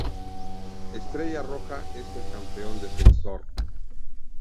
Estrella Roja es el campeón defensor.